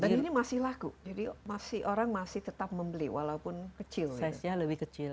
dan ini masih laku jadi orang masih tetap membeli walaupun kecil